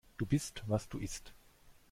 Du bist, was du isst.